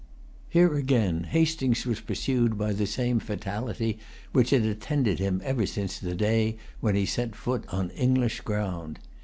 Here again Hastings was pursued by the same fatality which had attended him ever since the day when he set foot on English ground.